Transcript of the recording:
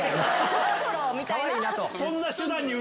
そろそろみたいな。